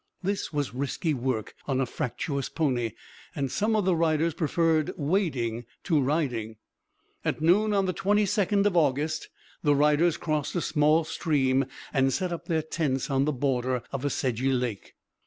This was risky work on a fractious pony, and some of the riders preferred wading to riding. At noon on the 22nd of August the riders crossed a small stream and set up their tents on the border of a sedgy lake.